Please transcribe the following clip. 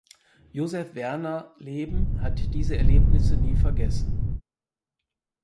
Josef Werner Leben hat diese Erlebnisse nie vergessen.